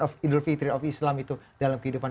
of idul fitri of islam itu dalam kehidupan